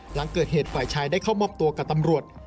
หลังเกิดเหตุฝ่ายชายได้เข้ามอบตัวกับตำรวจ